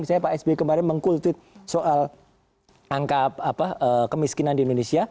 misalnya pak sby kemarin meng cool tweet soal angka kemiskinan di indonesia